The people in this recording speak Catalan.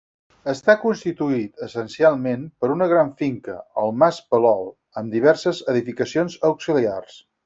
Està constituït essencialment per una gran finca, el Mas Palol, amb diverses edificacions auxiliars.